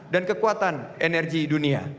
dan kekuatan energi dunia